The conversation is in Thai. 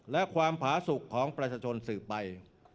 และความผาสุขของประชาชนสืบไป